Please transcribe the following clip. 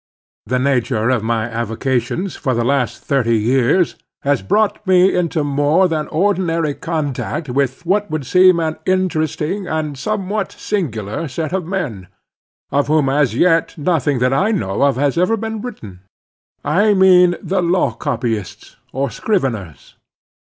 The nature of my avocations for the last thirty years has brought me into more than ordinary contact with what would seem an interesting and somewhat singular set of men, of whom as yet nothing that I know of has ever been written:—I mean the law copyists or scriveners.